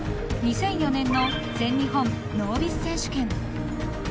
［２００４年の全日本ノービス選手権］